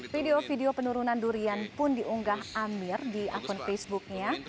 video video penurunan durian pun diunggah amir di akun facebooknya